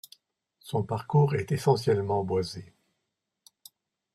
Son parcours est essentiellement boisé.